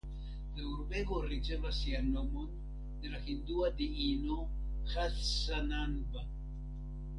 La urbego ricevas sian nomon de la hindua diino Hassanamba.